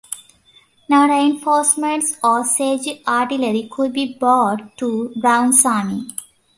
No reinforcements or siege artillery could be brought to Brown's army.